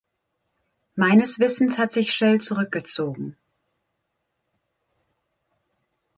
Meines Wissens hat sich Shell zurückgezogen.